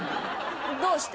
どうして？